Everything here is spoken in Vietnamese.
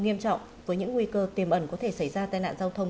nghiêm trọng với những nguy cơ tiềm ẩn có thể xảy ra tai nạn giao thông